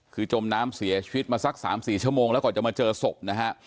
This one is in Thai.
คือจมน้ำเสียชีวิตมาสัก๓๔ชั่วโมงแล้วก่อนจะมาเจอศพนะฮะ